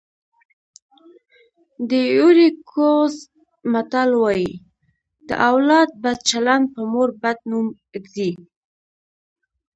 د ایوُري کوسټ متل وایي د اولاد بد چلند په مور بد نوم ږدي.